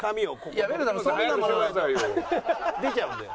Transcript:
出ちゃうんだよ。